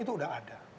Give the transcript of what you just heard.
itu sudah ada